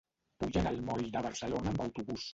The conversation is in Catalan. Vull anar al moll de Barcelona amb autobús.